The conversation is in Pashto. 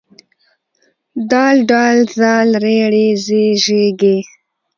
د ډ ذ ر ړ ز ژ ږ